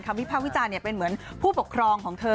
วิภาควิจารณ์เป็นเหมือนผู้ปกครองของเธอ